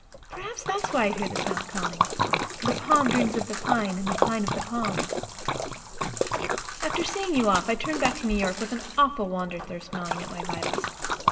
Perhaps that is why I hear the South calling. "The palm dreams of the pine, and the pine of the palm." After seeing you off, I turned back to New York with an awful wander thirst gnawing at my vitals.